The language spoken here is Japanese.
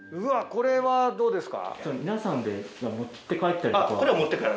これはどうですか？